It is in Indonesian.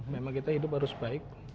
memang kita hidup harus baik